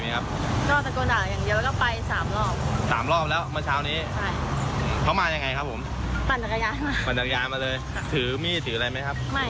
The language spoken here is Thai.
เนี่ยค่ะด่าเสร็จก็ขี่จักรยานหนีไป